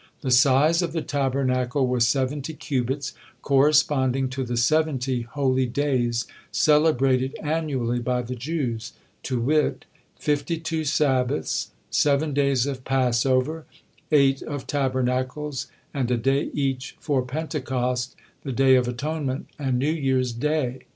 The size of the Tabernacle was seventy cubits, corresponding to the seventy holy days celebrated annually by the Jews, to wit: fifty two Sabbaths, seven days of Passover, eight of Tabernacles, and a day each for Pentecost, the Day of Atonement, and New Year's Day.